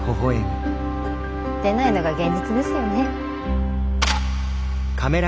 出ないのが現実ですよね。